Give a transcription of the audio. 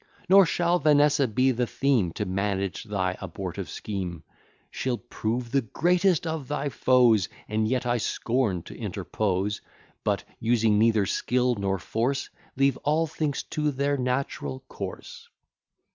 Nor shall Vanessa be the theme To manage thy abortive scheme: She'll prove the greatest of thy foes; And yet I scorn to interpose, But, using neither skill nor force, Leave all things to their natural course.